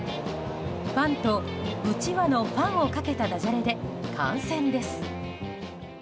ファンとうちわのファンをかけただじゃれで観戦です。